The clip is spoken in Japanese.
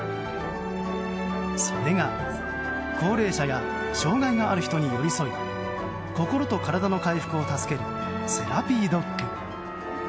それが、高齢者や障害がある人に寄り添い心と体の回復を助けるセラピードッグ。